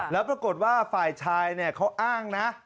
แล้วปรากฏว่าฝ่ายชายเขาอ้างนะ